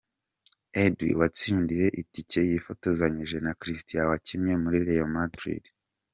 Eudes watsindiye itike yifotozanyije na Christian wakinnye muri Real Madrid.